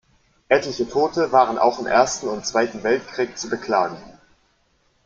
Etliche Tote waren auch im Ersten und Zweiten Weltkrieg zu beklagen.